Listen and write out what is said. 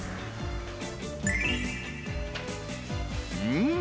うん！